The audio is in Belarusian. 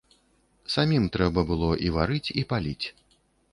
Самім трэба было і варыць і паліць.